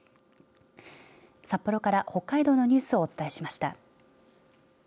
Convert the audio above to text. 札幌から北海道のニュースをお伝えしました。